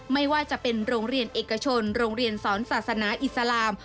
ไม่ว่าจะเป็นโรงเรียนเอกชนโรงเรียนสอนศาสนาอิสลาม